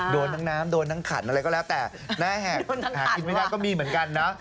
โดนทั้งน้ำโดนทั้งขันอะไรก็แล้วแต่หน้าแหกหากินไม่ได้ก็มีเหมือนกันนะ